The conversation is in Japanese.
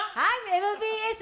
ＭＢＳ